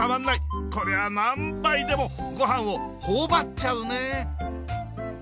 こりゃ何杯でもご飯をほおばっちゃうね！